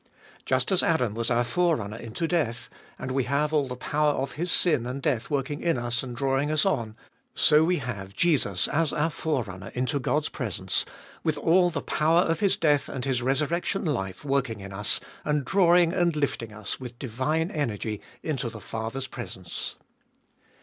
Just as tTbe Dolfest ot BU 307 Adam was our forerunner into death, and we have all the power of his sin and death working in us and drawing us on, so we have Jesus as our Forerunner into God's presence, with all the power of His death and His resurrection life working in us, and drawing and lifting us in with divine energy into the Father's presence.